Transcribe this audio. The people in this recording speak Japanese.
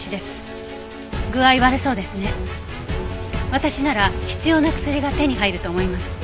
私なら必要な薬が手に入ると思います。